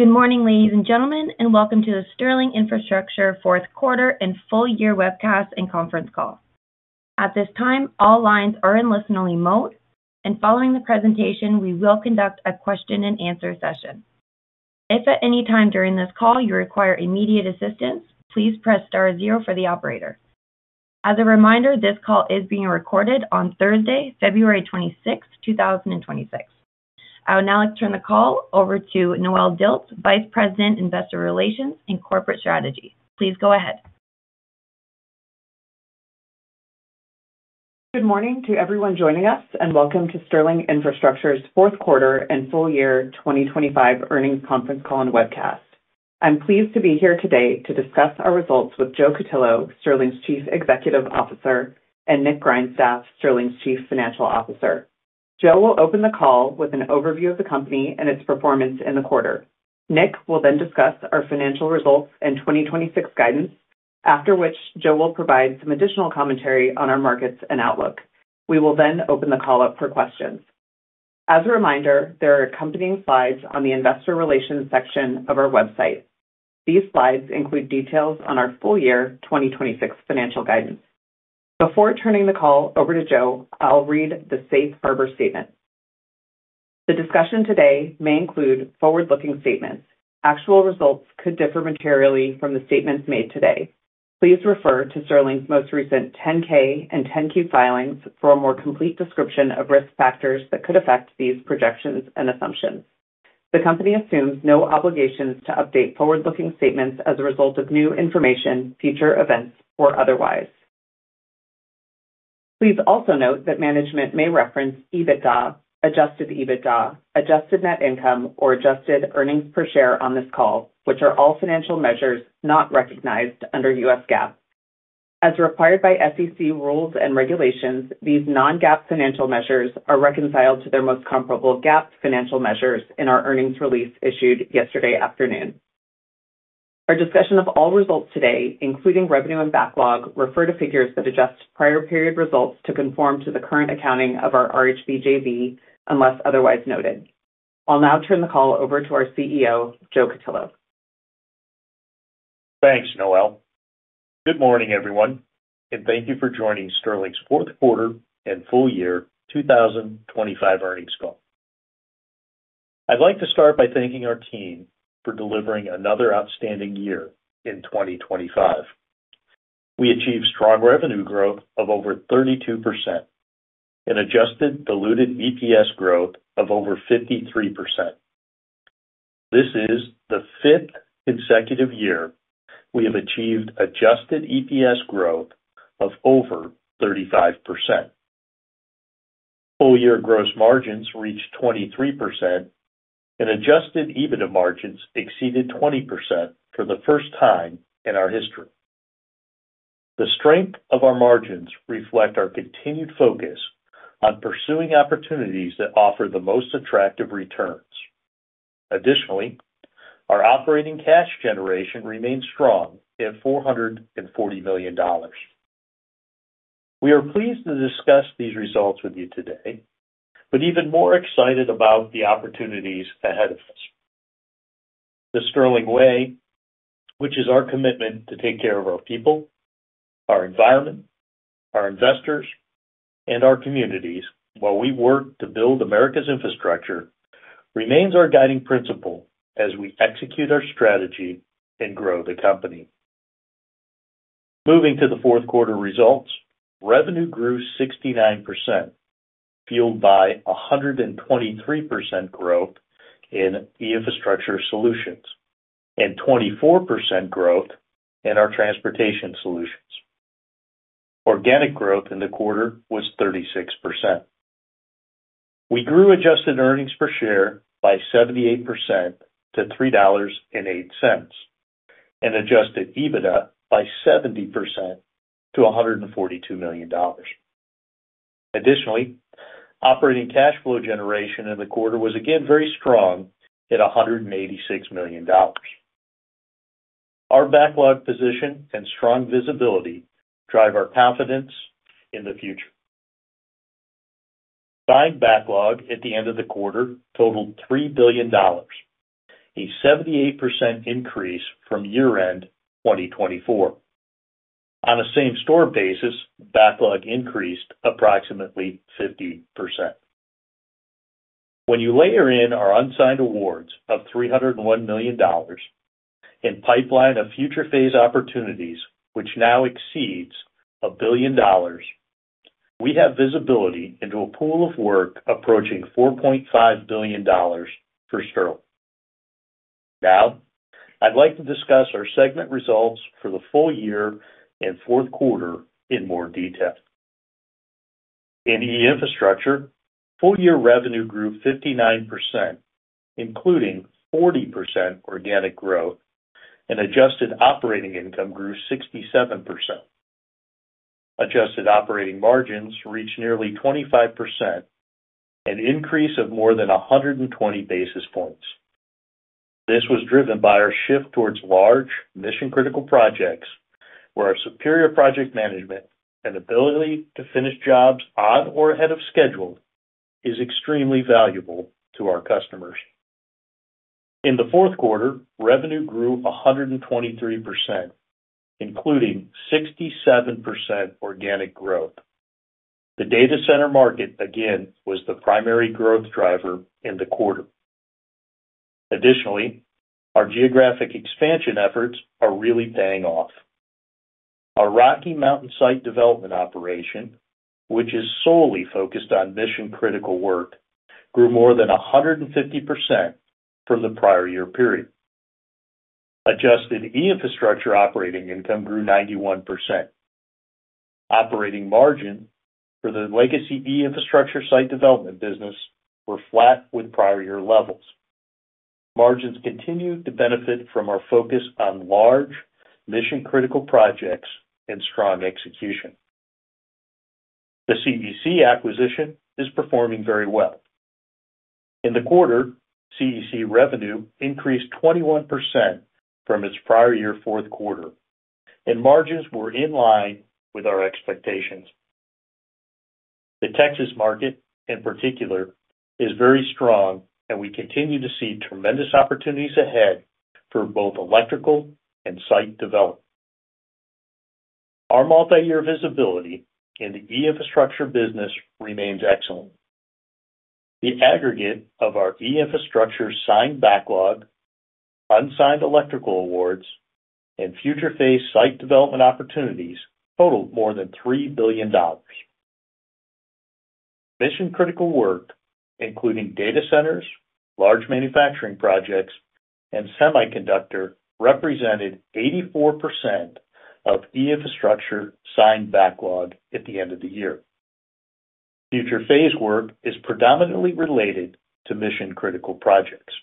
Good morning, ladies and gentlemen, welcome to the Sterling Infrastructure 4th quarter and full year webcast and conference call. At this time, all lines are in listen-only mode, following the presentation, we will conduct a question-and-answer session. If at any time during this call you require immediate assistance, please press star zero for the operator. As a reminder, this call is being recorded on Thursday, February 26, 2026. I would now like to turn the call over to Noelle Dilts, Vice President, Investor Relations and Corporate Strategy. Please go ahead. Good morning to everyone joining us, welcome to Sterling Infrastructure's fourth quarter and full year 2025 earnings conference call and webcast. I'm pleased to be here today to discuss our results with Joe Cutillo, Sterling's Chief Executive Officer, and Nick Grindstaff, Sterling's Chief Financial Officer. Joe will open the call with an overview of the company and its performance in the quarter. Nick will discuss our financial results and 2026 guidance, after which Joe will provide some additional commentary on our markets and outlook. We will open the call up for questions. As a reminder, there are accompanying slides on the investor relations section of our website. These slides include details on our full year 2026 financial guidance. Before turning the call over to Joe, I'll read the Safe Harbor statement. The discussion today may include forward-looking statements. Actual results could differ materially from the statements made today. Please refer to Sterling's most recent 10-K and 10-Q filings for a more complete description of risk factors that could affect these projections and assumptions. The company assumes no obligations to update forward-looking statements as a result of new information, future events, or otherwise. Please also note that management may reference EBITDA, adjusted EBITDA, adjusted net income, or adjusted earnings per share on this call, which are all financial measures not recognized under US GAAP. As required by SEC rules and regulations, these non-GAAP financial measures are reconciled to their most comparable GAAP financial measures in our earnings release issued yesterday afternoon. Our discussion of all results today, including revenue and backlog, refer to figures that adjust prior period results to conform to the current accounting of our RHB JV, unless otherwise noted. I'll now turn the call over to our CEO, Joe Cutillo. Thanks, Noelle. Good morning, everyone, thank you for joining Sterling's fourth quarter and full year 2025 earnings call. I'd like to start by thanking our team for delivering another outstanding year in 2025. We achieved strong revenue growth of over 32% and adjusted diluted EPS growth of over 53%. This is the fifth consecutive year we have achieved adjusted EPS growth of over 35%. Full year gross margins reached 23%, adjusted EBITDA margins exceeded 20% for the first time in our history. The strength of our margins reflect our continued focus on pursuing opportunities that offer the most attractive returns. Additionally, our operating cash generation remains strong at $440 million. We are pleased to discuss these results with you today, even more excited about the opportunities ahead of us. The Sterling Way, which is our commitment to take care of our people, our environment, our investors, and our communities while we work to build America's infrastructure, remains our guiding principle as we execute our strategy and grow the company. Moving to the fourth quarter results. Revenue grew 69%, fueled by 123% growth in E-Infrastructure Solutions and 24% growth in our Transportation Solutions. Organic growth in the quarter was 36%. We grew adjusted earnings per share by 78% to $3.08, and adjusted EBITDA by 70% to $142 million. Additionally, operating cash flow generation in the quarter was again very strong at $186 million. Our backlog position and strong visibility drive our confidence in the future. Signed backlog at the end of the quarter totaled $3 billion, a 78% increase from year-end 2024. On a same-store basis, backlog increased approximately 50%. When you layer in our unsigned awards of $301 million and pipeline of future phase opportunities, which now exceeds $1 billion, we have visibility into a pool of work approaching $4.5 billion for Sterling. I'd like to discuss our segment results for the full year and fourth quarter in more detail. In E-Infrastructure, full year revenue grew 59%, including 40% organic growth, and adjusted operating income grew 67%. Adjusted operating margins reached nearly 25%, an increase of more than 120 basis points. This was driven by our shift towards large, mission-critical projects... where our superior project management and ability to finish jobs on or ahead of schedule is extremely valuable to our customers. In the fourth quarter, revenue grew 123%, including 67% organic growth. The data center market, again, was the primary growth driver in the quarter. Additionally, our geographic expansion efforts are really paying off. Our Rocky Mountain site development operation, which is solely focused on mission-critical work, grew more than 150% from the prior-year period. Adjusted E-Infrastructure operating income grew 91%. Operating margin for the legacy E-Infrastructure site development business were flat with prior-year levels. Margins continued to benefit from our focus on large, mission-critical projects and strong execution. The CEC acquisition is performing very well. In the quarter, CEC revenue increased 21% from its prior-year fourth quarter, and margins were in line with our expectations. The Texas market, in particular, is very strong. We continue to see tremendous opportunities ahead for both electrical and site development. Our multi-year visibility in the E-Infrastructure Solutions business remains excellent. The aggregate of our E-Infrastructure Solutions signed backlog, unsigned electrical awards, and future phase site development opportunities totaled more than $3 billion. Mission-critical work, including data centers, large manufacturing projects, and semiconductor, represented 84% of E-Infrastructure Solutions signed backlog at the end of the year. Future phase work is predominantly related to mission-critical projects.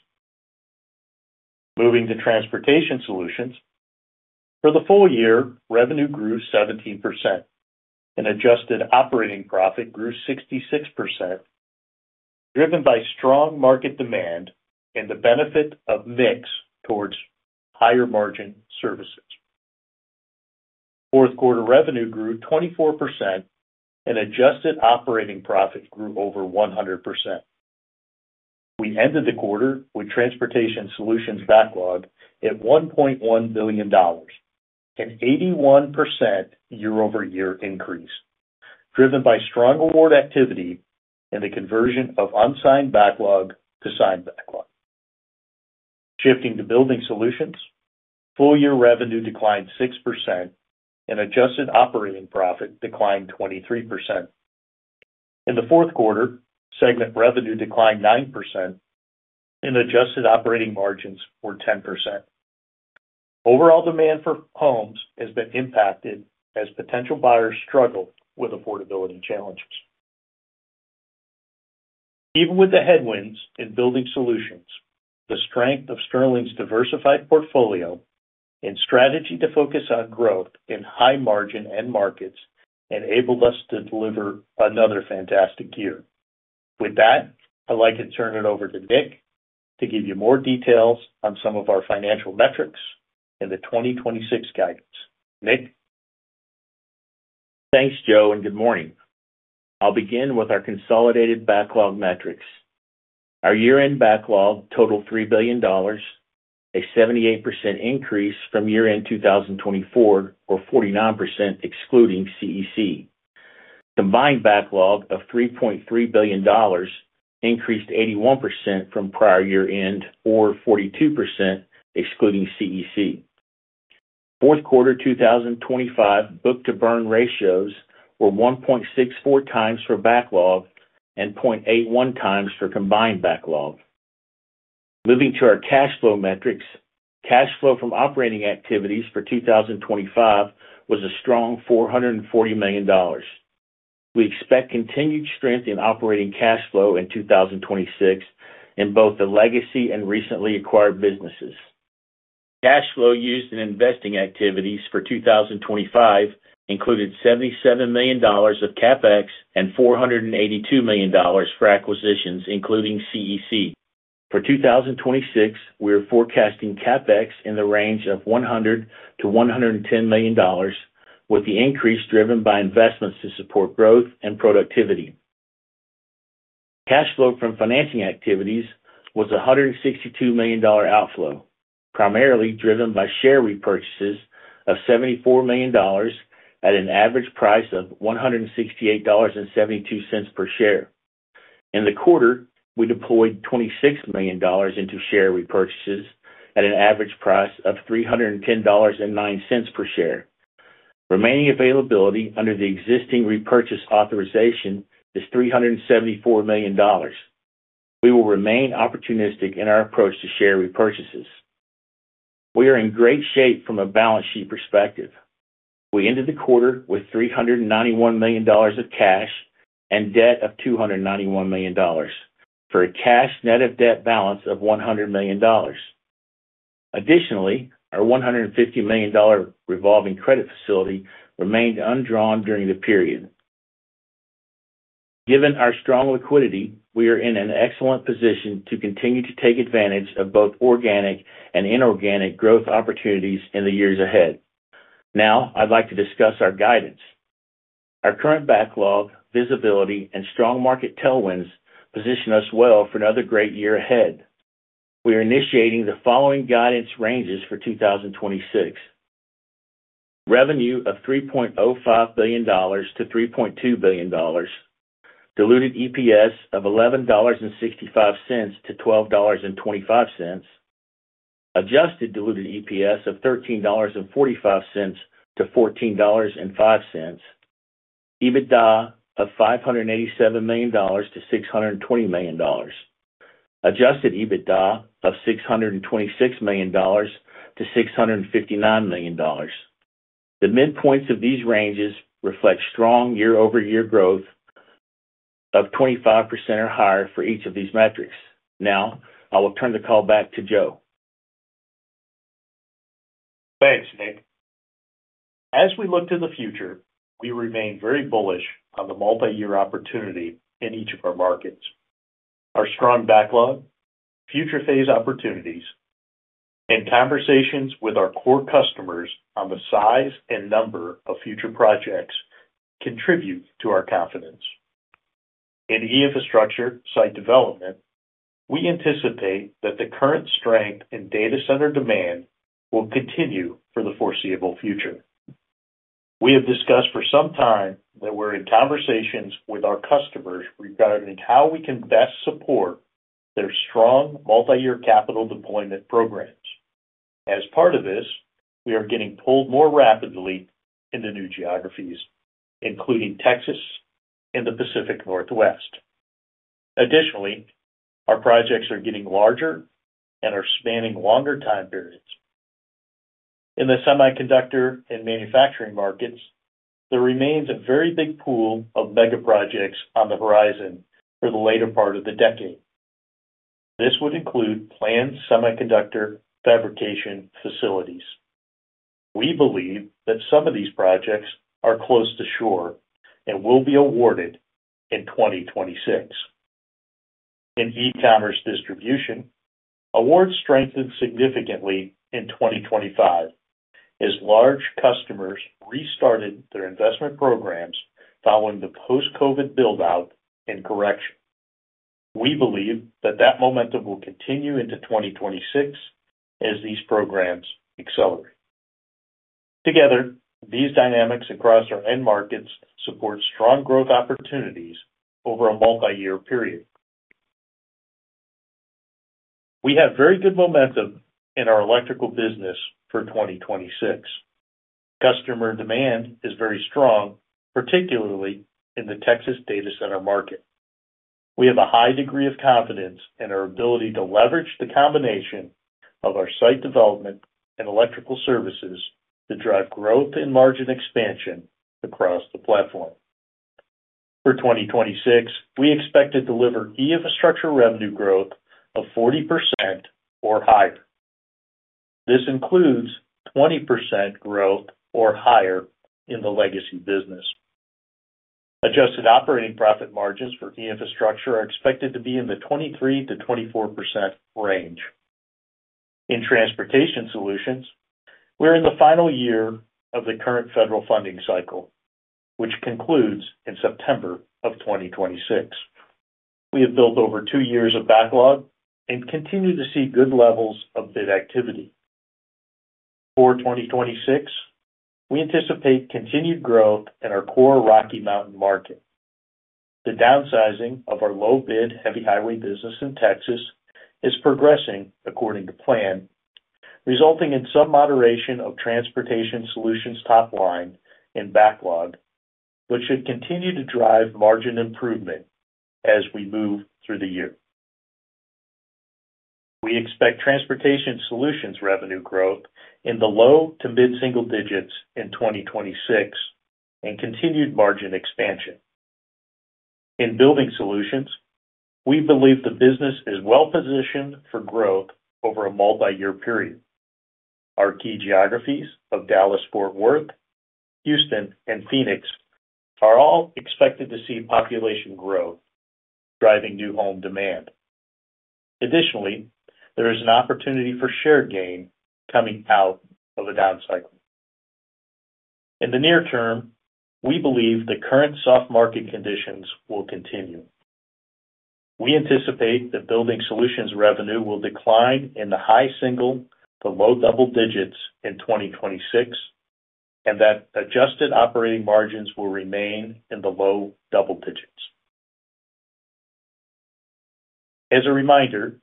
Moving to Transportation Solutions. For the full year, revenue grew 17% and adjusted operating profit grew 66%, driven by strong market demand and the benefit of mix towards higher-margin services. Fourth quarter revenue grew 24% and adjusted operating profit grew over 100%. We ended the quarter with Transportation Solutions backlog at $1.1 billion, an 81% year-over-year increase, driven by strong award activity and the conversion of unsigned backlog to signed backlog. Shifting to Building Solutions, full year revenue declined 6% and adjusted operating profit declined 23%. In the fourth quarter, segment revenue declined 9% and adjusted operating margins were 10%. Overall demand for homes has been impacted as potential buyers struggle with affordability challenges. Even with the headwinds in Building Solutions, the strength of Sterling's diversified portfolio and strategy to focus on growth in high margin end markets enabled us to deliver another fantastic year. With that, I'd like to turn it over to Nick to give you more details on some of our financial metrics and the 2026 guidance. Nick? Thanks, Joe, and good morning. I'll begin with our consolidated backlog metrics. Our year-end backlog totaled $3 billion, a 78% increase from year-end 2024, or 49% excluding CEC. Combined backlog of $3.3 billion increased 81% from prior year-end or 42% excluding CEC. Q4 2025 book-to-burn ratios were 1.64 times for backlog and 0.81 times for combined backlog. Moving to our cash flow metrics. Cash flow from operating activities for 2025 was a strong $440 million. We expect continued strength in operating cash flow in 2026 in both the legacy and recently acquired businesses. Cash flow used in investing activities for 2025 included $77 million of CapEx and $482 million for acquisitions, including CEC. 2026, we are forecasting CapEx in the range of $100 million-$110 million, with the increase driven by investments to support growth and productivity. Cash flow from financing activities was a $162 million outflow, primarily driven by share repurchases of $74 million at an average price of $168.72 per share. In the quarter, we deployed $26 million into share repurchases at an average price of $310.09 per share. Remaining availability under the existing repurchase authorization is $374 million. We will remain opportunistic in our approach to share repurchases. We are in great shape from a balance sheet perspective. We ended the quarter with $391 million of cash and debt of $291 million, for a cash net of debt balance of $100 million. Our $150 million revolving credit facility remained undrawn during the period. Given our strong liquidity, we are in an excellent position to continue to take advantage of both organic and inorganic growth opportunities in the years ahead. I'd like to discuss our guidance. Our current backlog, visibility, and strong market tailwinds position us well for another great year ahead. We are initiating the following guidance ranges for 2026: revenue of $3.05 billion-$3.2 billion, diluted EPS of $11.65-$12.25, adjusted diluted EPS of $13.45-$14.05, EBITDA of $587 million-$620 million, adjusted EBITDA of $626 million-$659 million. The midpoints of these ranges reflect strong year-over-year growth of 25% or higher for each of these metrics. Now, I will turn the call back to Joe. Thanks, Nick. As we look to the future, we remain very bullish on the multiyear opportunity in each of our markets. Our strong backlog, future phase opportunities, and conversations with our core customers on the size and number of future projects contribute to our confidence. In E-infrastructure site development, we anticipate that the current strength in data center demand will continue for the foreseeable future. We have discussed for some time that we're in conversations with our customers regarding how we can best support their strong multiyear capital deployment programs. As part of this, we are getting pulled more rapidly into new geographies, including Texas and the Pacific Northwest. Additionally, our projects are getting larger and are spanning longer time periods. In the semiconductor and manufacturing markets, there remains a very big pool of mega projects on the horizon for the later part of the decade. This would include planned semiconductor fabrication facilities. We believe that some of these projects are close to shore and will be awarded in 2026. In e-commerce distribution, awards strengthened significantly in 2025 as large customers restarted their investment programs following the post-COVID build-out and correction. We believe that that momentum will continue into 2026 as these programs accelerate. Together, these dynamics across our end markets support strong growth opportunities over a multiyear period. We have very good momentum in our electrical business for 2026. Customer demand is very strong, particularly in the Texas data center market. We have a high degree of confidence in our ability to leverage the combination of our site development and electrical services to drive growth and margin expansion across the platform. For 2026, we expect to deliver E-infrastructure revenue growth of 40% or higher. This includes 20% growth or higher in the legacy business. Adjusted operating profit margins for E-Infrastructure are expected to be in the 23%-24% range. In Transportation Solutions, we're in the final year of the current federal funding cycle, which concludes in September of 2026. We have built over two years of backlog and continue to see good levels of bid activity. For 2026, we anticipate continued growth in our core Rocky Mountain market. The downsizing of our low-bid, heavy highway business in Texas is progressing according to plan, resulting in some moderation of Transportation Solutions top line and backlog, which should continue to drive margin improvement as we move through the year. We expect Transportation Solutions revenue growth in the low to mid-single digits in 2026 and continued margin expansion. In Building Solutions, we believe the business is well positioned for growth over a multiyear period. Our key geographies of Dallas, Fort Worth, Houston, and Phoenix are all expected to see population growth, driving new home demand. Additionally, there is an opportunity for share gain coming out of a down cycle. In the near term, we believe the current soft market conditions will continue. We anticipate that Building Solutions revenue will decline in the high single to low double digits in 2026, and that adjusted operating margins will remain in the low double digits. As a reminder,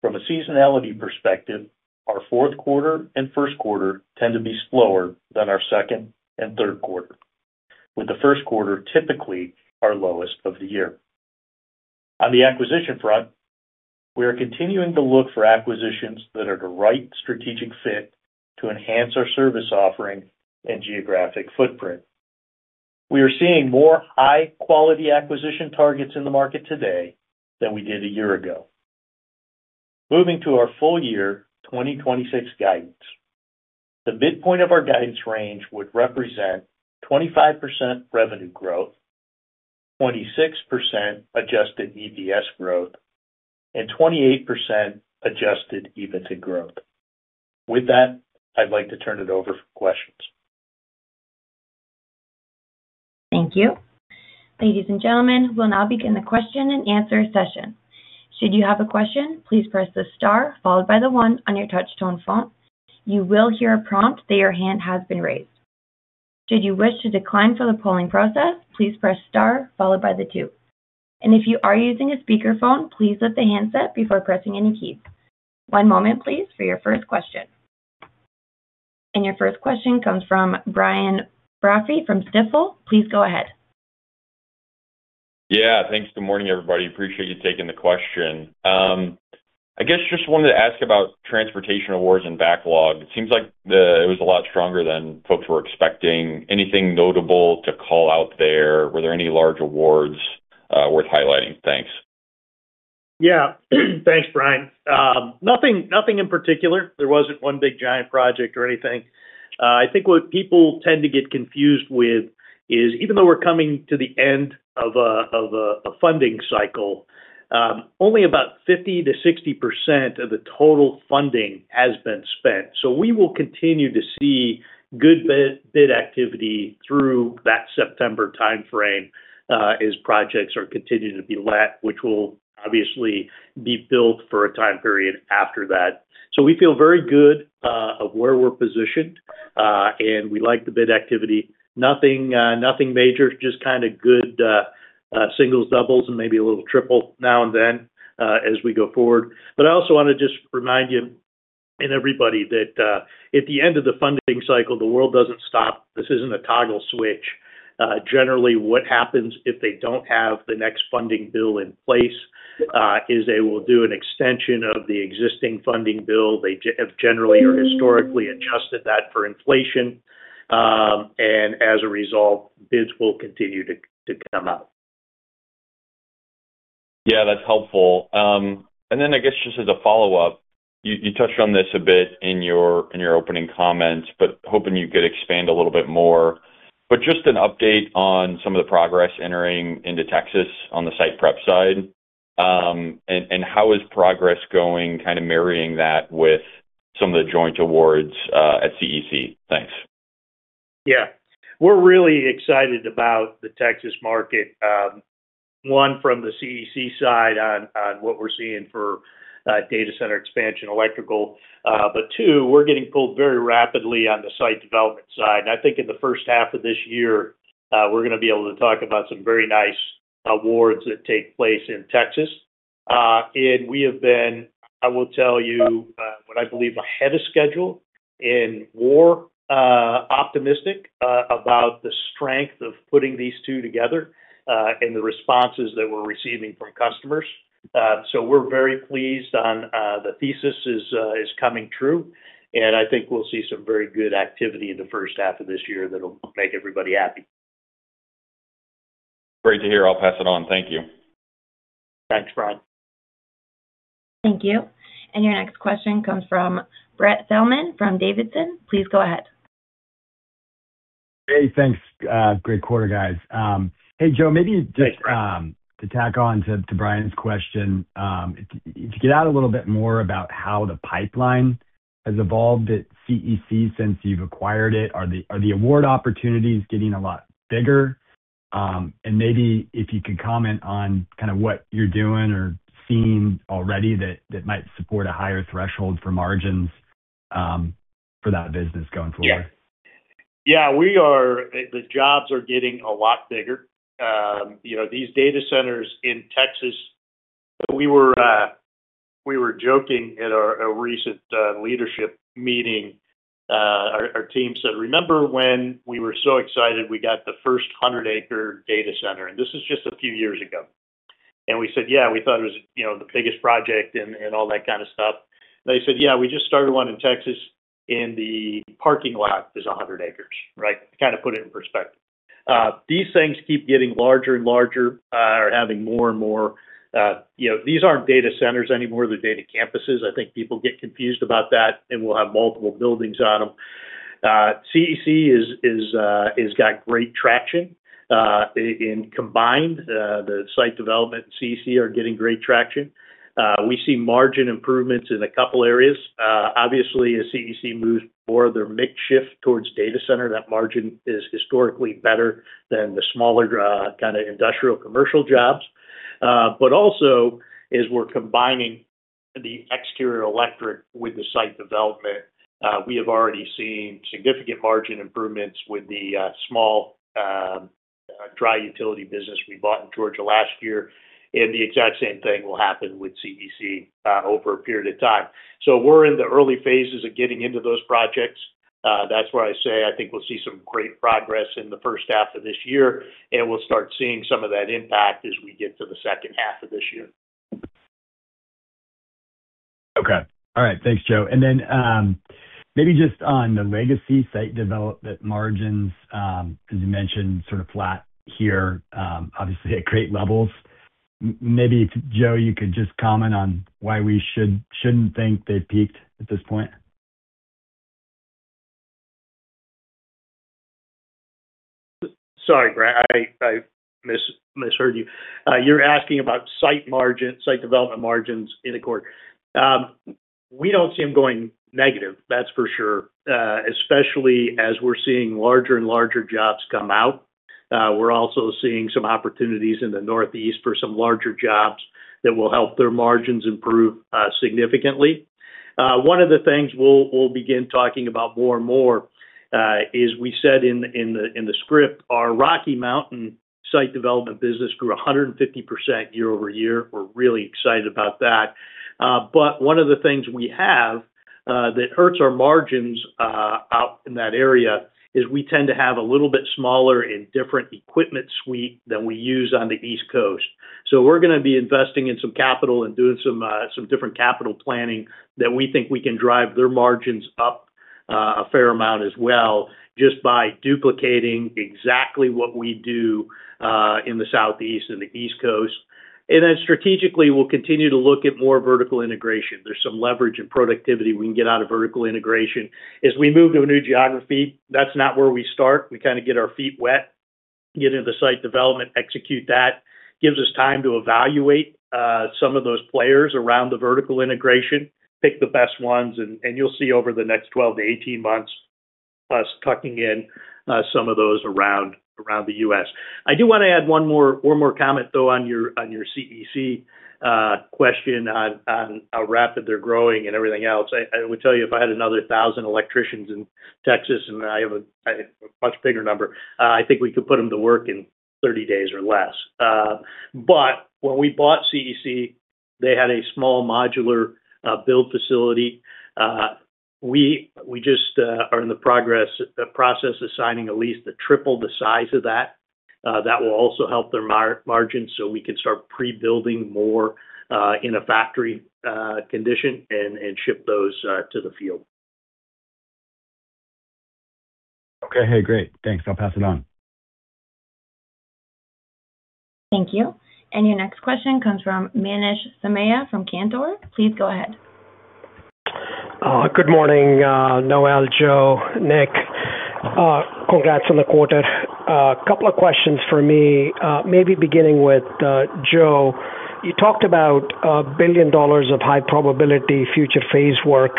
from a seasonality perspective, our fourth quarter and first quarter tend to be slower than our second and third quarter, with the first quarter typically our lowest of the year. On the acquisition front, we are continuing to look for acquisitions that are the right strategic fit to enhance our service offering and geographic footprint. We are seeing more high-quality acquisition targets in the market today than we did a year ago. Moving to our full year 2026 guidance. The midpoint of our guidance range would represent 25% revenue growth, 26% adjusted EPS growth, and 28% adjusted EBITDA growth. With that, I'd like to turn it over for questions. Thank you. Ladies and gentlemen, we'll now begin the question and answer session. Should you have a question, please press the star followed by the one on your touch tone phone. You will hear a prompt that your hand has been raised. Should you wish to decline from the polling process, please press star followed by the two. If you are using a speakerphone, please lift the handset before pressing any keys. One moment, please, for your first question. Your first question comes from Brian Brophy from Stifel. Please go ahead. Yeah, thanks. Good morning, everybody. Appreciate you taking the question. I guess just wanted to ask about transportation awards and backlog. It seems like it was a lot stronger than folks were expecting. Anything notable to call out there? Were there any large awards worth highlighting? Thanks. Yeah. Thanks, Brian. nothing in particular. There wasn't one big giant project or anything. I think what people tend to get confused with is, even though we're coming to the end of a, of a funding cycle, only about 50%-60% of the total funding has been spent. We will continue to see good bid activity through that September timeframe, as projects are continuing to be let, which will obviously be built for a time period after that. We feel very good, of where we're positioned, and we like the bid activity. Nothing, nothing major, just kind of good, singles, doubles, and maybe a little triple now and then, as we go forward. I also wanna just remind you and everybody that, at the end of the funding cycle, the world doesn't stop. This isn't a toggle switch. Generally, what happens if they don't have the next funding bill in place, is they will do an extension of the existing funding bill. They have generally or historically adjusted that for inflation, and as a result, bids will continue to come out. That's helpful. I guess just as a follow-up, you touched on this a bit in your opening comments, but hoping you could expand a little bit more. Just an update on some of the progress entering into Texas on the site prep side, and how is progress going, kind of marrying that with some of the joint awards at CEC? Thanks. Yeah. We're really excited about the Texas market, one, from the CEC side on what we're seeing for data center expansion, electrical. Two, we're getting pulled very rapidly on the site development side. I think in the first half of this year, we're gonna be able to talk about some very nice awards that take place in Texas. We have been, I will tell you, what I believe, ahead of schedule and we're optimistic about the strength of putting these two together, and the responses that we're receiving from customers. We're very pleased on the thesis is coming true, and I think we'll see some very good activity in the first half of this year that'll make everybody happy. Great to hear. I'll pass it on. Thank you. Thanks, Brian. Thank you. Your next question comes from Brent Thielman from Davidson. Please go ahead. Hey, thanks. Great quarter, guys. Hey, Joe, maybe. Thanks, Brent. To tack on to Brian's question, if you could get out a little bit more about how the pipeline has evolved at CEC since you've acquired it? Are the award opportunities getting a lot bigger? Maybe if you could comment on kind of what you're doing or seeing already that might support a higher threshold for margins for that business going forward? Yeah. Yeah, we are. The jobs are getting a lot bigger. You know, these data centers in Texas, we were joking at our a recent leadership meeting. Our team said, "Remember when we were so excited we got the first 100-acre data center?" This is just a few years ago. We said, "Yeah, we thought it was, you know, the biggest project," and all that kind of stuff. They said, "Yeah, we just started one in Texas, and the parking lot is 100 acres," right? To kind of put it in perspective. These things keep getting larger and larger, are having more and more. You know, these aren't data centers anymore, they're data campuses. I think people get confused about that, and we'll have multiple buildings on them. CEC is has got great traction in combined the site development and CEC are getting great traction. We see margin improvements in a couple areas. Obviously, as CEC moves more of their mix shift towards data center, that margin is historically better than the smaller kind of industrial commercial jobs. Also, as we're combining the exterior electric with the site development, we have already seen significant margin improvements with the small dry utility business we bought in Georgia last year, the exact same thing will happen with CEC over a period of time. We're in the early phases of getting into those projects. That's why I say I think we'll see some great progress in the first half of this year. We'll start seeing some of that impact as we get to the second half of this year. Okay. All right. Thanks, Joe.... Maybe just on the legacy site development margins, as you mentioned, sort of flat here, obviously at great levels. Maybe, Joe, you could just comment on why we shouldn't think they peaked at this point? Sorry, Brent, I misheard you. You're asking about site margins, site development margins in the quarter. We don't see them going negative, that's for sure, especially as we're seeing larger and larger jobs come out. We're also seeing some opportunities in the Northeast for some larger jobs that will help their margins improve significantly. One of the things we'll begin talking about more and more, is we said in the script, our Rocky Mountain site development business grew 150% year-over-year. We're really excited about that. One of the things we have, that hurts our margins, out in that area is we tend to have a little bit smaller and different equipment suite than we use on the East Coast. We're gonna be investing in some capital and doing some different capital planning that we think we can drive their margins up, a fair amount as well, just by duplicating exactly what we do in the Southeast and the East Coast. Strategically, we'll continue to look at more vertical integration. There's some leverage and productivity we can get out of vertical integration. As we move to a new geography, that's not where we start. We kinda get our feet wet, get into the site development, execute that. Gives us time to evaluate, some of those players around the vertical integration, pick the best ones, and you'll see over the next 12 to 18 months, us tucking in, some of those around the U.S. I do wanna add one more comment, though, on your CEC question on how rapid they're growing and everything else. I would tell you, if I had another 1,000 electricians in Texas, and I have a much bigger number, I think we could put them to work in 30 days or less. When we bought CEC, they had a small modular build facility. We just are in the process of signing a lease to triple the size of that. That will also help their margins, so we can start pre-building more in a factory condition and ship those to the field. Okay, great. Thanks. I'll pass it on. Thank you. Your next question comes from Manish Somaiya from Cantor. Please go ahead. Good morning, Noelle, Joe, Nick. Congrats on the quarter. Couple of questions for me, maybe beginning with Joe. You talked about $1 billion of high probability future phase work.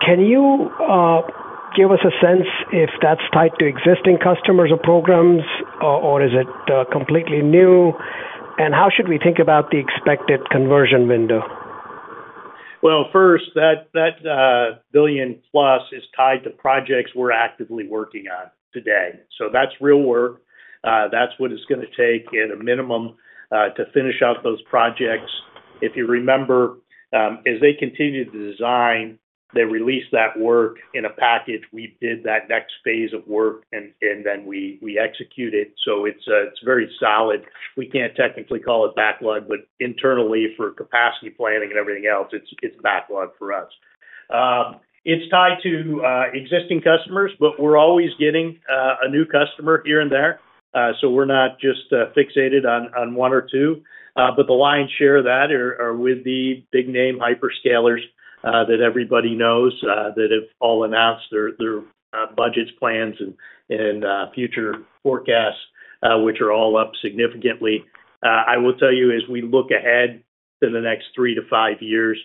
Can you give us a sense if that's tied to existing customers or programs, or is it completely new? How should we think about the expected conversion window? Well, first, that $1 billion plus is tied to projects we're actively working on today. That's real work. That's what it's gonna take at a minimum, to finish out those projects. If you remember, as they continued to design, they released that work in a package. We did that next phase of work, and then we execute it. It's very solid. We can't technically call it backlog, but internally, for capacity planning and everything else, it's backlog for us. It's tied to existing customers, but we're always getting a new customer here and there. We're not just fixated on 1 or 2. The lion's share of that are with the big-name hyperscalers, that everybody knows, that have all announced their budgets, plans, and future forecasts, which are all up significantly. I will tell you, as we look ahead to the next three to five years,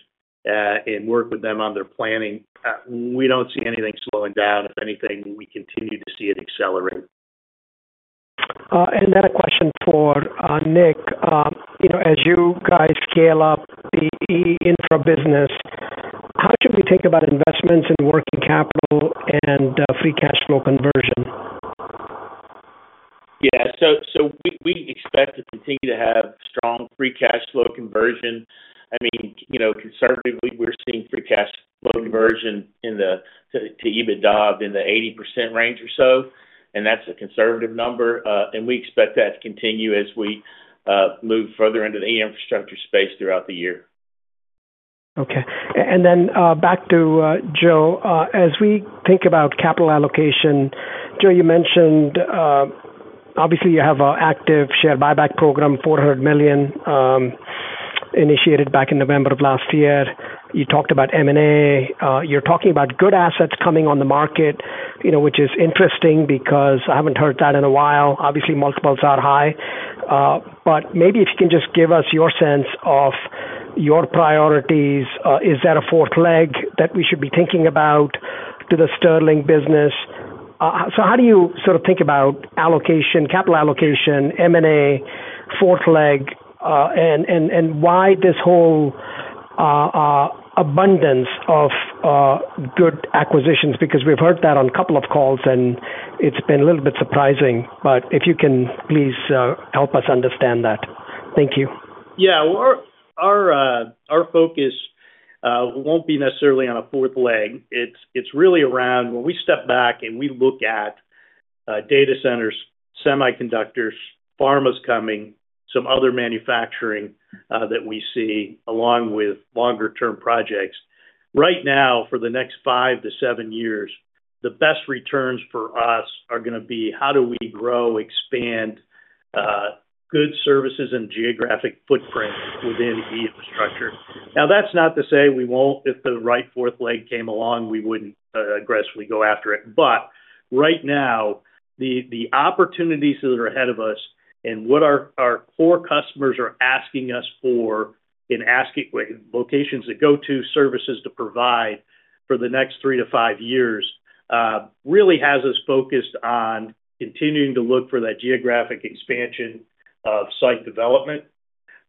and work with them on their planning, we don't see anything slowing down. If anything, we continue to see it accelerate. A question for Nick. You know, as you guys scale up the E-Infrastructure business, how should we think about investments in working capital and free cash flow conversion? We expect to continue to have strong free cash flow conversion. I mean, you know, conservatively, we're seeing free cash flow conversion to EBITDA in the 80% range or so, and that's a conservative number. We expect that to continue as we move further into the infrastructure space throughout the year. Okay. back to Joe. As we think about capital allocation, Joe, you mentioned, obviously you have an active share buyback program, $400 million, initiated back in November of last year. You talked about M&A. You're talking about good assets coming on the market, you know, which is interesting because I haven't heard that in a while. Obviously, multiples are high, but maybe if you can just give us your sense of your priorities. Is that a fourth leg that we should be thinking about to the Sterling business? How do you sort of think about allocation, capital allocation, M&A, fourth leg, and why this whole abundance of good acquisitions? Because we've heard that on a couple of calls, and it's been a little bit surprising. If you can, please, help us understand that. Thank you. Our focus won't be necessarily on a fourth leg. It's really around when we step back and we look at data centers, semiconductors, pharma is coming, some other manufacturing that we see along with longer-term projects. For the next five to seven years, the best returns for us are going to be how do we grow, expand, good services and geographic footprint within the infrastructure? That's not to say we won't, if the right fourth leg came along, we wouldn't aggressively go after it. Right now, the opportunities that are ahead of us and what our core customers are asking us for, and asking locations to go to, services to provide for the next 3 to 5 years, really has us focused on continuing to look for that geographic expansion of site development,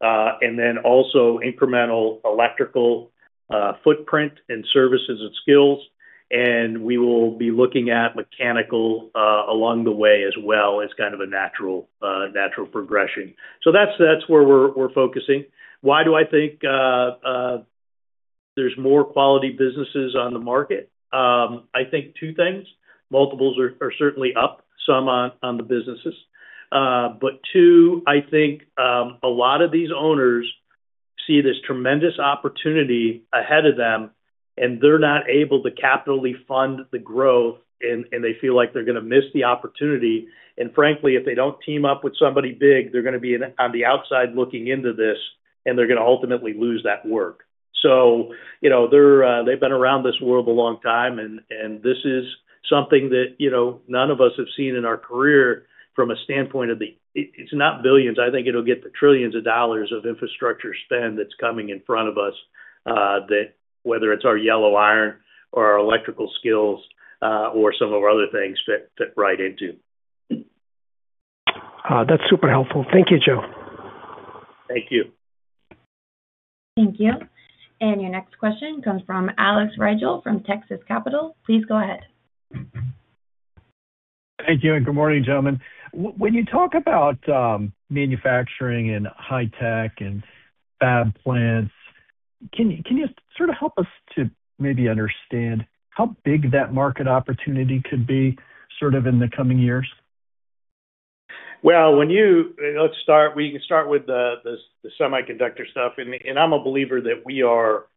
and then also incremental electrical footprint and services and skills. We will be looking at mechanical along the way as well, as kind of a natural natural progression. That's where we're focusing. Why do I think there's more quality businesses on the market? I think two things. Multiples are certainly up, some on the businesses. 2, I think, a lot of these owners see this tremendous opportunity ahead of them, and they're not able to capitally fund the growth, and they feel like they're going to miss the opportunity. Frankly, if they don't team up with somebody big, they're going to be on the outside looking into this, and they're going to ultimately lose that work. You know, they've been around this world a long time, and this is something that, you know, none of us have seen in our career from a standpoint of the. It's not $ billions. I think it'll get the $ trillions of infrastructure spend that's coming in front of us, that whether it's our yellow iron or our electrical skills, or some of our other things fit right into. That's super helpful. Thank you, Joe. Thank you. Thank you. Your next question comes from Alex Rygiel from Texas Capital. Please go ahead. Thank you. Good morning, gentlemen. When you talk about manufacturing and high tech and fab plants, can you sort of help us to maybe understand how big that market opportunity could be, sort of in the coming years? Well, let's start, we can start with the semiconductor stuff, and I'm a believer that we are,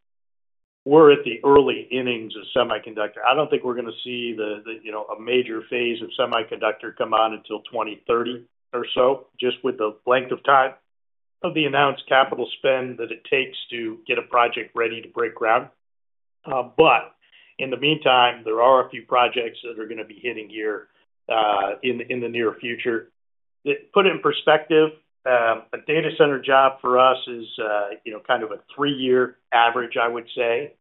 we're at the early innings of semiconductor. I don't think we're going to see the, you know, a major phase of semiconductor come on until 2030 or so, just with the length of time of the announced capital spend that it takes to get a project ready to break ground. In the meantime, there are a few projects that are going to be hitting here, in the near future. To put it in perspective, a data center job for us is, you know, kind of a 3-year average, I would say.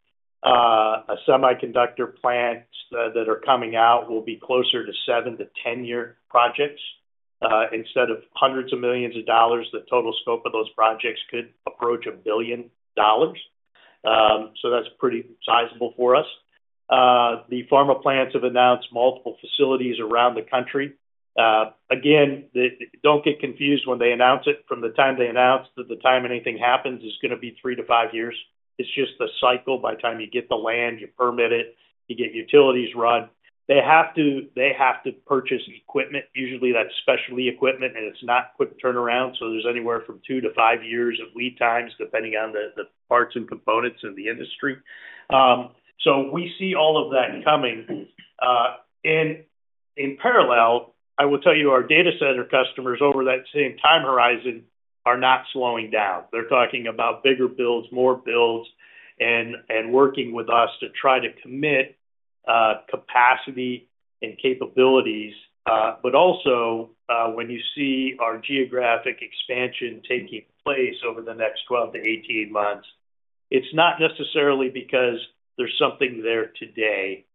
A semiconductor plant that are coming out will be closer to 7-10-year projects. Instead of hundreds of millions of dollars, the total scope of those projects could approach $1 billion. That's pretty sizable for us. The pharma plants have announced multiple facilities around the country. Again, don't get confused when they announce it. From the time they announce to the time anything happens, is going to be 3-5 years. It's just the cycle. By the time you get the land, you permit it, you get utilities run. They have to purchase equipment. Usually, that's specialty equipment, and it's not quick turnaround, so there's anywhere from 2-5 years of lead times, depending on the parts and components in the industry. We see all of that coming. In parallel, I will tell you, our data center customers over that same time horizon are not slowing down. They're talking about bigger builds, more builds, and working with us to try to commit capacity and capabilities. Also, when you see our geographic expansion taking place over the next 12-18 months, it's not necessarily because there's something there today,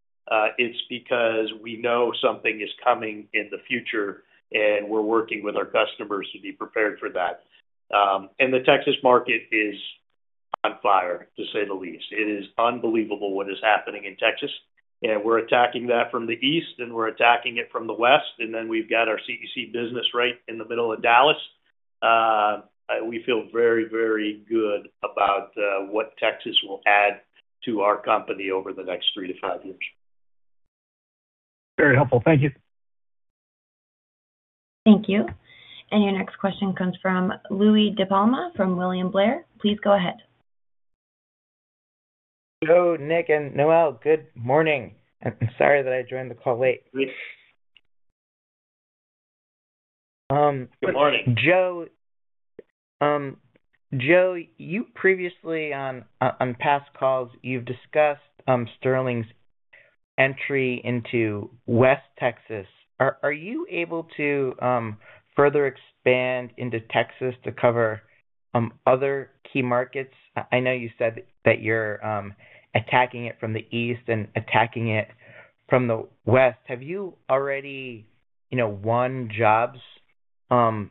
it's because we know something is coming in the future, and we're working with our customers to be prepared for that. The Texas market is on fire, to say the least. It is unbelievable what is happening in Texas, and we're attacking that from the east, and we're attacking it from the west, and then we've got our CEC business right in the middle of Dallas. We feel very, very good about what Texas will add to our company over the next 3-5 years. Very helpful. Thank you. Thank you. Your next question comes from Louie DePalma, from William Blair. Please go ahead. Hello, Nick and Noelle. Good morning. I'm sorry that I joined the call late. Good morning. Joe, you previously on past calls, you've discussed Sterling's entry into West Texas. Are you able to further expand into Texas to cover other key markets? I know you said that you're attacking it from the east and attacking it from the west. Have you already, you know, won jobs on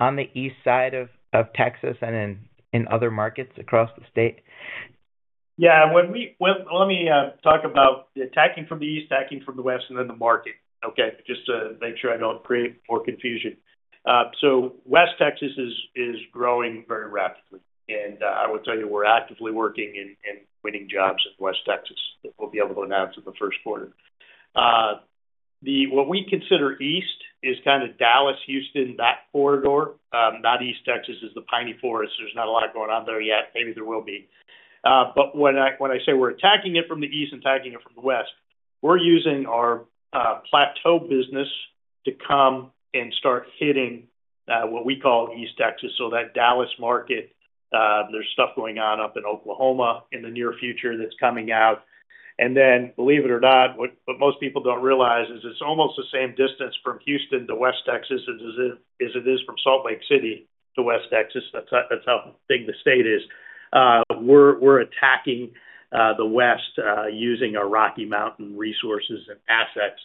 the east side of Texas and in other markets across the state? Yeah. Let me talk about attacking from the east, attacking from the west, and then the market, okay? Just to make sure I don't create more confusion. West Texas is growing very rapidly, and I will tell you, we're actively working and winning jobs in West Texas, that we'll be able to announce in the first quarter. What we consider east is kind of Dallas, Houston, that corridor. Not East Texas is the piney forest. There's not a lot going on there yet. Maybe there will be. When I say we're attacking it from the east and attacking it from the west, we're using our Plateau business to come and start hitting what we call East Texas. That Dallas market, there's stuff going on up in Oklahoma in the near future that's coming out. Then, believe it or not, what most people don't realize is it's almost the same distance from Houston to West Texas as it is from Salt Lake City to West Texas. That's how big the state is. We're attacking the west using our Rocky Mountain resources and assets.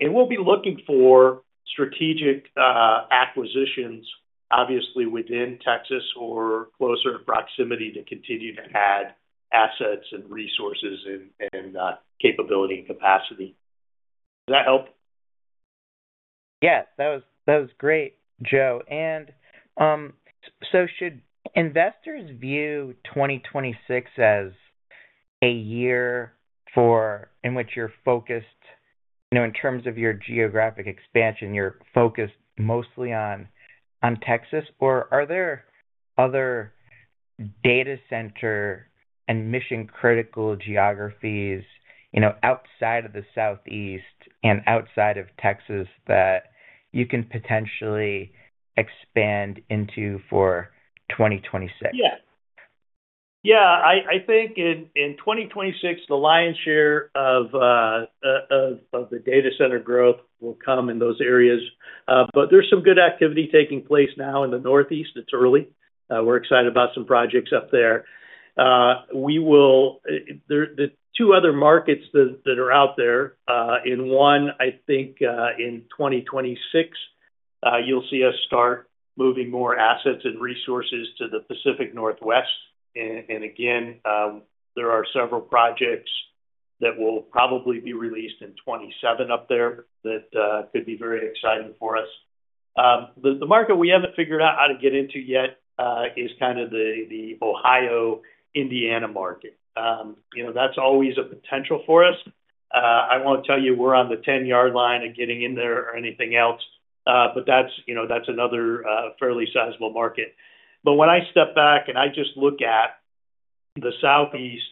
And we'll be looking for strategic acquisitions, obviously, within Texas or closer proximity, to continue to add assets and resources and capability and capacity. Does that help? Yes, that was, that was great, Joe. Should investors view 2026 as a year in which you're focused, you know, in terms of your geographic expansion, you're focused mostly on Texas? Are there other data center and mission-critical geographies, you know, outside of the Southeast and outside of Texas that you can potentially expand into for 2026? Yeah. Yeah, I think in 2026, the lion's share of the data center growth will come in those areas. There's some good activity taking place now in the Northeast. It's early. We're excited about some projects up there. The two other markets that are out there, in one, I think, in 2026, you'll see us start moving more assets and resources to the Pacific Northwest. Again, there are several projects that will probably be released in 2027 up there that could be very exciting for us. The market we haven't figured out how to get into yet, is kind of the Ohio, Indiana market. You know, that's always a potential for us. I won't tell you we're on the 10-yard line of getting in there or anything else, but that's, you know, that's another fairly sizable market. When I step back and I just look at the Southeast,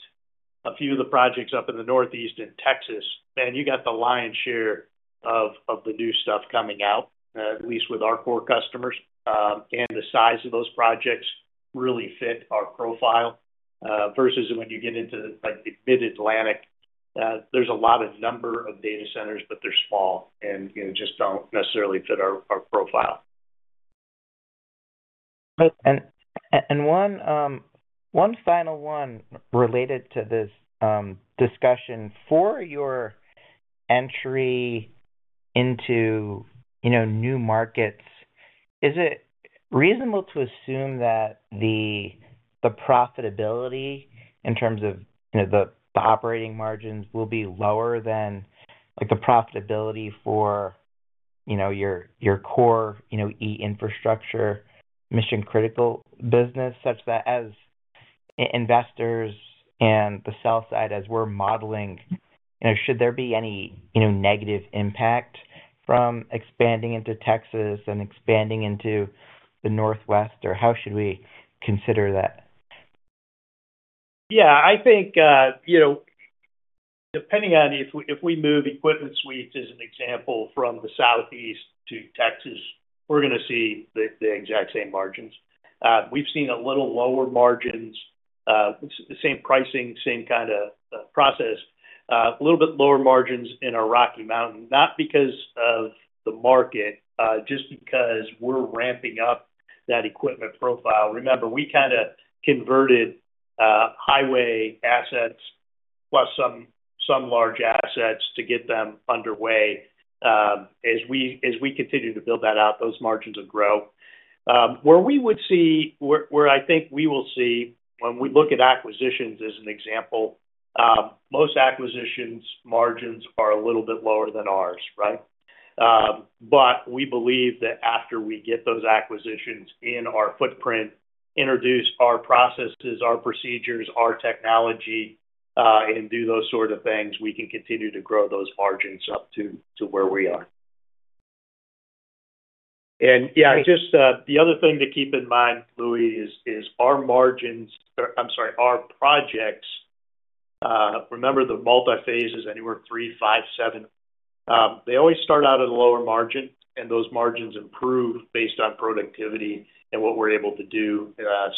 a few of the projects up in the Northeast and Texas, man, you got the lion's share of the new stuff coming out, at least with our core customers. The size of those projects really fit our profile, versus when you get into, like, the mid-Atlantic, there's a lot of number of data centers, but they're small and, you know, just don't necessarily fit our profile. One, one final one related to this discussion. For your entry into, you know, new markets, is it reasonable to assume that the profitability in terms of, you know, the operating margins will be lower than, like, the profitability for, you know, your core, you know, E-Infrastructure, mission-critical business? Such that as investors and the sell side, as we're modeling, you know, should there be any, you know, negative impact from expanding into Texas and expanding into the Northwest, or how should we consider that? Yeah, I think, you know, depending on if we, if we move equipment suites, as an example, from the Southeast to Texas, we're gonna see the exact same margins. We've seen a little lower margins, the same pricing, same kind of process, a little bit lower margins in our Rocky Mountain. Not because of the market, just because we're ramping up that equipment profile. Remember, we kind of converted highway assets plus some large assets to get them underway. As we continue to build that out, those margins will grow. Where I think we will see when we look at acquisitions, as an example, most acquisitions' margins are a little bit lower than ours, right? We believe that after we get those acquisitions in our footprint, introduce our processes, our procedures, our technology, and do those sort of things, we can continue to grow those margins up to where we are. Just the other thing to keep in mind, Louie, is our projects, remember the multi-phase is anywhere, 3, 5, 7. They always start out at a lower margin, those margins improve based on productivity and what we're able to do,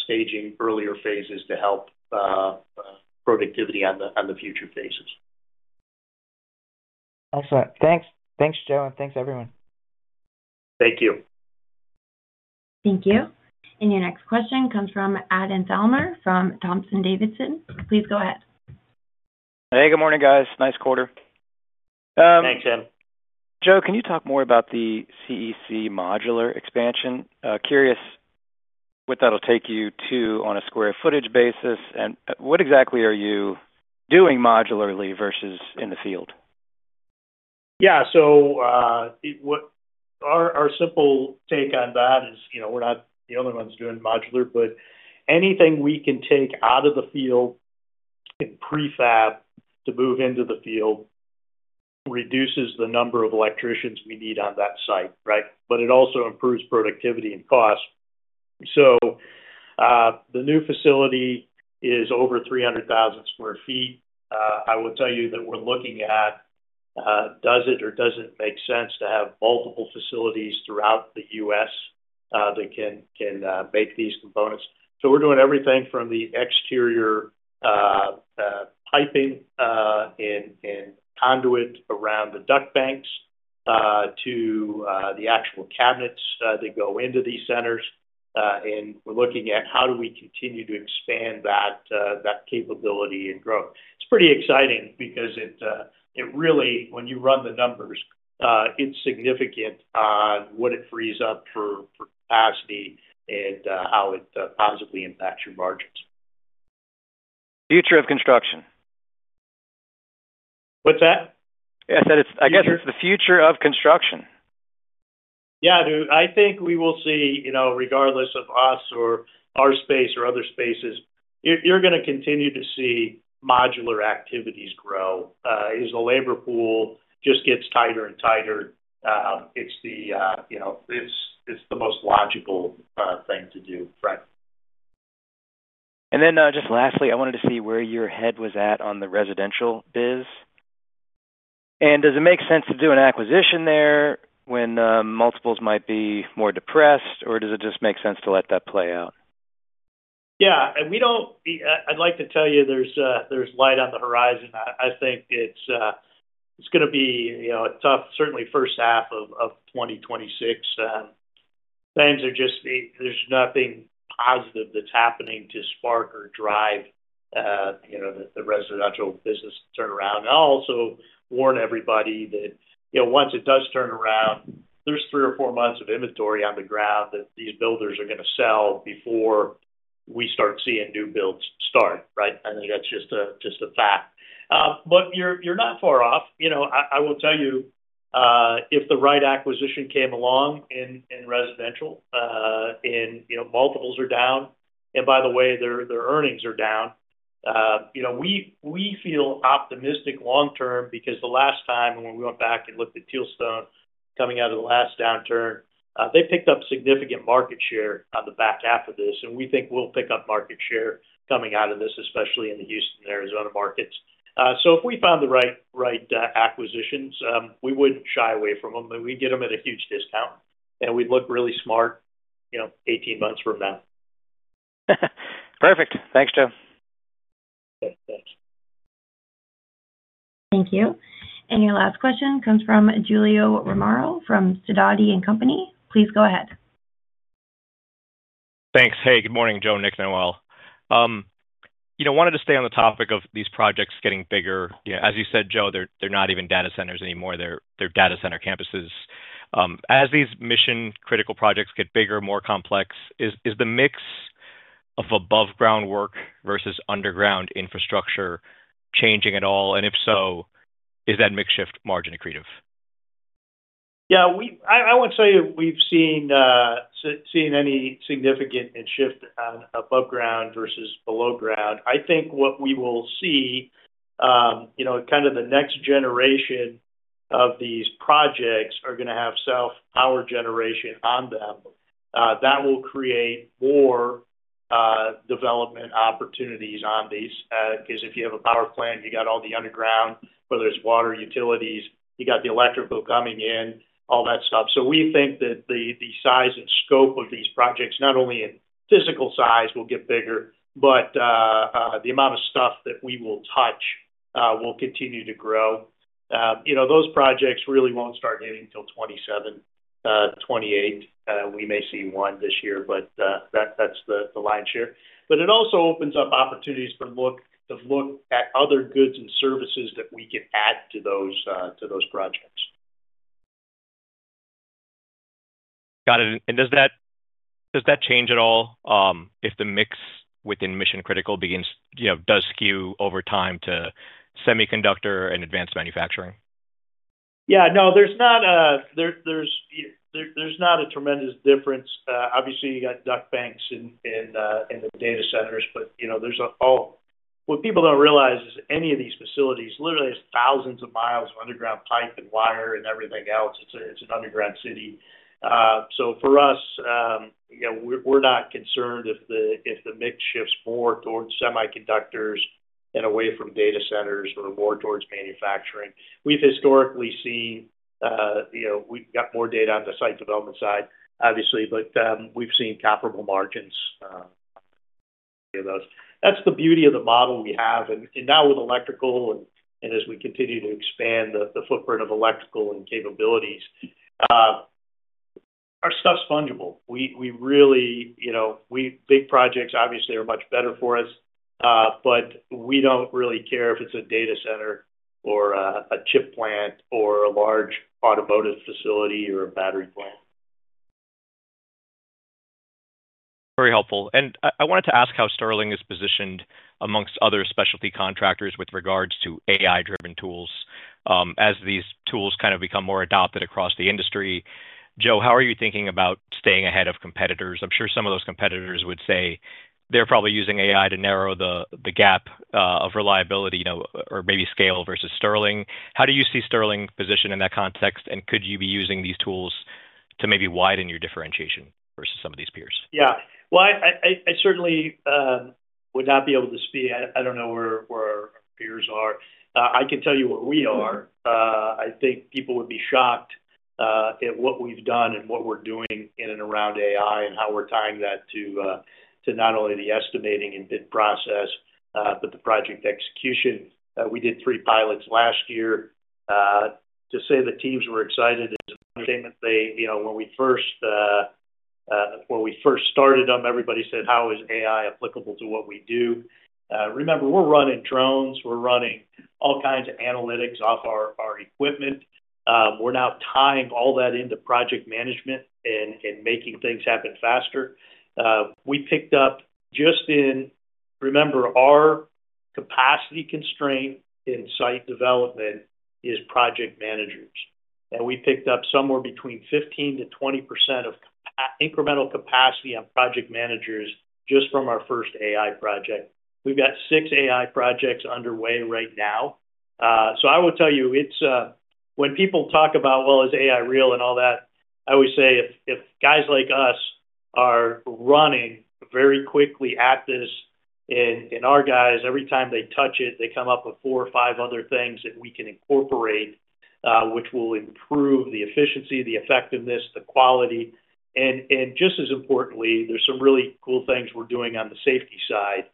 staging earlier phases to help productivity on the future phases. Excellent. Thanks. Thanks, Joe, and thanks, everyone. Thank you. Thank you. Your next question comes from Adam Thalhimer from Thompson Davis. Please go ahead. Hey, good morning, guys. Nice quarter. Thanks, Adam. Joe, can you talk more about the CEC modular expansion? Curious what that'll take you to on a square footage basis, and what exactly are you doing modularly versus in the field? Yeah. Our simple take on that is, you know, we're not the only ones doing modular, but anything we can take out of the field in prefab to move into the field reduces the number of electricians we need on that site, right? It also improves productivity and cost. The new facility is over 300,000 sq ft. I will tell you that we're looking at, does it or doesn't make sense to have multiple facilities throughout the U.S. that can make these components. We're doing everything from the exterior piping and conduit around the duct banks to the actual cabinets that go into these centers. And we're looking at how do we continue to expand that capability and growth. It's pretty exciting because it really when you run the numbers, it's significant on what it frees up for capacity and how it positively impacts your margins. Future of construction. What's that? I said I guess it's the future of construction. Yeah, dude, I think we will see, you know, regardless of us or our space or other spaces, you're gonna continue to see modular activities grow. As the labor pool just gets tighter and tighter, it's the, you know, it's the most logical thing to do, right? Just lastly, I wanted to see where your head was at on the residential biz. Does it make sense to do an acquisition there when multiples might be more depressed, or does it just make sense to let that play out? Yeah, we don't. I'd like to tell you there's light on the horizon. I think it's gonna be, you know, a tough, certainly first half of 2026. Things are just. There's nothing positive that's happening to spark or drive, you know, the residential business turnaround. I'll also warn everybody that, you know, once it does turn around, there's 3 or 4 months of inventory on the ground that these builders are gonna sell before we start seeing new builds start, right? I think that's just a fact. You're not far off. You know, I will tell you, if the right acquisition came along in residential, and, you know, multiples are down, and by the way, their earnings are down. you know, we feel optimistic long term because the last time when we went back and looked at Tealstone coming out of the last downturn, they picked up significant market share on the back half of this, and we think we'll pick up market share coming out of this, especially in the Houston and Arizona markets. If we found the right acquisitions, we wouldn't shy away from them, and we'd get them at a huge discount, and we'd look really smart, you know, 18 months from now. Perfect. Thanks, Joe. Okay, thanks. Thank you. Your last question comes from Julio Romero from Sidoti & Company. Please go ahead. Thanks. Hey, good morning, Joe, Nick and Noelle. you know, wanted to stay on the topic of these projects getting bigger. As you said, Joe, they're not even data centers anymore, they're data center campuses. as these mission-critical projects get bigger, more complex, is the mix of above-ground work versus underground infrastructure changing at all? If so, is that mix shift margin accretive? Yeah, I won't tell you, we've seen any significant shift on above ground versus below ground. I think what we will see, you know, kind of the next generation of these projects are gonna have self-power generation on them. That will create more development opportunities on these, because if you have a power plant, you got all the underground, whether it's water, utilities, you got the electrical coming in, all that stuff. We think that the size and scope of these projects, not only in physical size, will get bigger, but the amount of stuff that we will touch will continue to grow. You know, those projects really won't start hitting till 2027, 2028. We may see one this year, but that's the lion's share. It also opens up opportunities to look at other goods and services that we can add to those projects. Got it. Does that change at all, if the mix within mission-critical begins, you know, does skew over time to semiconductor and advanced manufacturing? Yeah. No, there's not a tremendous difference. Obviously, you got duct banks in the data centers, but, you know, there's all... What people don't realize is any of these facilities, literally, there's thousands of miles of underground pipe and wire and everything else. It's a, it's an underground city. So for us, you know, we're not concerned if the mix shifts more towards semiconductors and away from data centers or more towards manufacturing. We've historically seen, you know, we've got more data on the site development side, obviously, but we've seen comparable margins, those. That's the beauty of the model we have, and now with electrical and as we continue to expand the footprint of electrical and capabilities, our stuff's fungible. We really, you know, big projects obviously are much better for us, but we don't really care if it's a data center or a chip plant or a large automotive facility or a battery plant. Very helpful. I wanted to ask how Sterling is positioned amongst other specialty contractors with regards to AI-driven tools? As these tools kind of become more adopted across the industry, Joe, how are you thinking about staying ahead of competitors? I'm sure some of those competitors would say they're probably using AI to narrow the gap of reliability, you know, or maybe scale versus Sterling. How do you see Sterling positioned in that context? Could you be using these tools to maybe widen your differentiation versus some of these peers? Well, I certainly would not be able to speak. I don't know where our peers are. I can tell you where we are. I think people would be shocked at what we've done and what we're doing in and around AI, and how we're tying that to not only the estimating and bid process, but the project execution. We did 3 pilots last year. To say the teams were excited is an understatement. They, you know, when we first started them, everybody said, "How is AI applicable to what we do?" Remember, we're running drones, we're running all kinds of analytics off our equipment. We're now tying all that into project management and making things happen faster. We picked up just in... Remember, our capacity constraint in site development is project managers. We picked up somewhere between 15%-20% of incremental capacity on project managers just from our first AI project. We've got 6 AI projects underway right now. I will tell you, it's when people talk about, well, is AI real and all that. I always say, if guys like us are running very quickly at this. Our guys, every time they touch it, they come up with 4 or 5 other things that we can incorporate, which will improve the efficiency, the effectiveness, the quality. Just as importantly, there's some really cool things we're doing on the safety side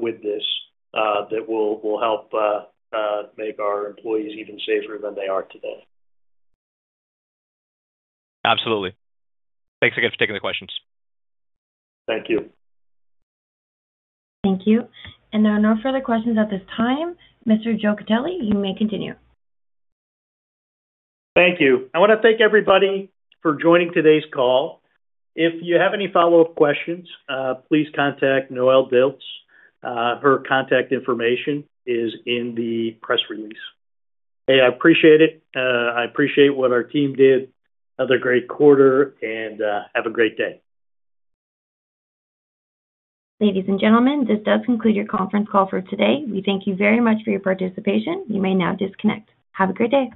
with this that will help make our employees even safer than they are today. Absolutely. Thanks again for taking the questions. Thank you. Thank you. There are no further questions at this time. Mr. Joe Cutillo, you may continue. Thank you. I want to thank everybody for joining today's call. If you have any follow-up questions, please contact Noelle Dilts. Her contact information is in the press release. Hey, I appreciate it. I appreciate what our team did. Another great quarter. Have a great day. Ladies and gentlemen, this does conclude your conference call for today. We thank you very much for your participation. You may now disconnect. Have a great day.